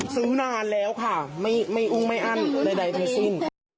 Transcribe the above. ซื้อนานแล้วค่ะไม่อุ้งไม่อั้นใดทั้งสิ้น